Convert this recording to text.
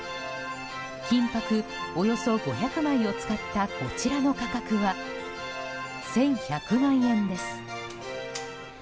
金箔およそ５００枚を使ったこちらの価格は１１００万円です。